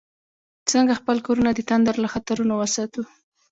څنګه خپل کورونه د تندر له خطرونو وساتو؟